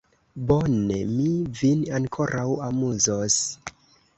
Bone, mi vin ankoraŭ amuzos!